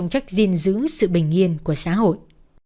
để giữ sự bình yên của xã hội